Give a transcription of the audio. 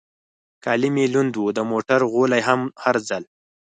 کالي مې لوند و، د موټر غولی هم هر ځل.